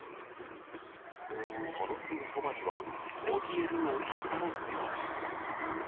そのすぐそばには、おびえる親子の姿が。